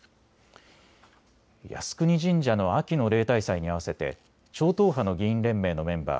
靖国神社の秋の例大祭に合わせて超党派の議員連盟のメンバー